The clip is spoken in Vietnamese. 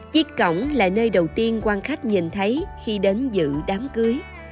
chiếc cổng là nơi đầu tiên quan khách nhìn thấy khi đến dự đám cưới